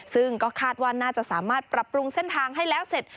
ซึ่งก็คาดว่าน่าจะสามารถปรับปรุงเส้นทางให้แล้วเสร็จ